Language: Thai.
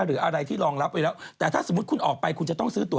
หรืออะไรที่รองรับไปแล้ว